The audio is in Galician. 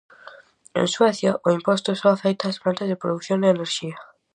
En Suecia, o imposto só afecta ás plantas de produción de enerxía.